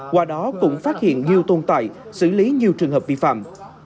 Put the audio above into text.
qua đó cũng phát hiện nhiều tồn tại xử lý nhiều trường hợp vi phạm